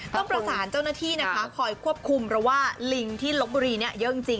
ต้องประสานเจ้าหน้าที่นะคะคอยควบคุมเพราะว่าลิงที่ลบบุรีเนี่ยเยอะจริง